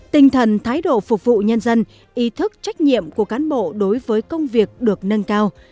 tinh thần thái độ phục vụ nhân dân ý thức trách nhiệm của cán bộ đối với công việc được nâng cao